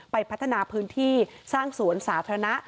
พัฒนาพื้นที่สร้างสวนสาธารณะ